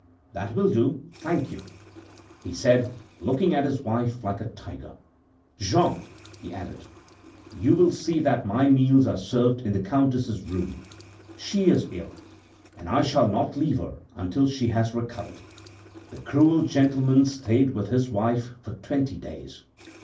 "That will do, thank you," he said, looking at his wife like a tiger. "Jean," he added, "you will see that my meals are served in the Countess's room; she is ill, and I shall not leave her until she has recovered." The cruel gentleman stayed with his wife for twenty days.